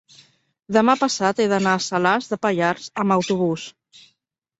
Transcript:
demà passat he d'anar a Salàs de Pallars amb autobús.